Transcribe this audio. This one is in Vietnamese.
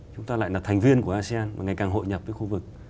chúng ta lại là thành viên của asean và ngày càng hội nhập với khu vực